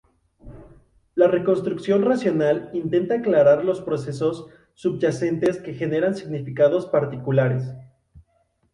La reconstrucción racional intenta aclarar los procesos subyacentes que generan significados particulares.